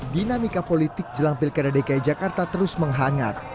dinamika politik jelang pilkada dki jakarta terus menghangat